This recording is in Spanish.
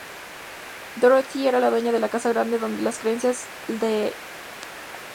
Dorothy era la dueña de la casa donde según la creencia la iniciación ocurrió.